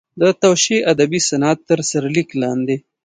د توشیح ادبي صنعت تر سرلیک لاندې.